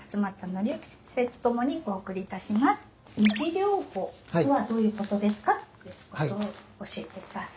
維持療法とはどういうことですかっていうことを教えて下さい。